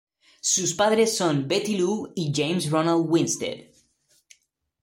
Sus padres son Betty Lou y James Ronald Winstead.